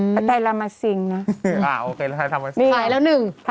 ประไทยลามสิงนะ